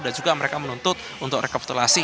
dan juga mereka menuntut untuk rekapitulasi